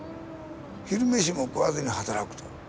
昼飯も食わずに働くと。